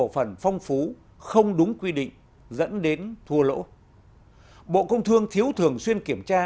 phú không đúng quy định dẫn đến thua lỗ bộ công thương thiếu thường xuyên kiểm tra